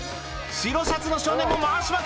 白シャツの少年も回し枕！